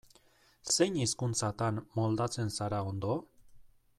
Zein hizkuntzatan moldatzen zara ondo?